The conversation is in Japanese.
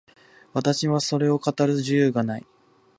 私にはそれを語る自由がない。